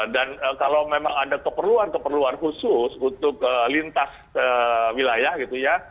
dan kalau memang ada keperluan keperluan khusus untuk lintas wilayah gitu ya